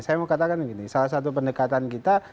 saya mau katakan begini salah satu pendekatan kita